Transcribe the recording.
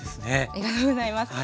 ありがとうございます。